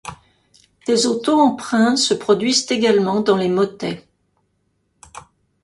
Des auto-emprunts se produisent également dans les motets.